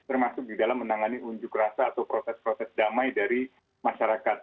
termasuk di dalam menangani unjuk rasa atau proses proses damai dari masyarakat